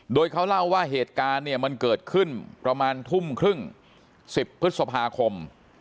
โดยเขาเล่าว่าเหตุการณ์เนี่ยมันเกิดขึ้นประมาณทุ่มครึ่ง๑๐พฤษภาคม